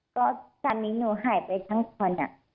ก็ตอนนี้หนูหายไปทั้งคน